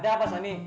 ada apa sani